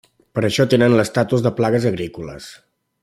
Per això tenen l'estatus de plagues agrícoles.